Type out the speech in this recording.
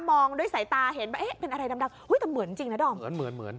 มองด้วยสายตาเห็นว่าเอ๊ะเป็นอะไรดำอุ้ยแต่เหมือนจริงนะดอมเหมือนเหมือน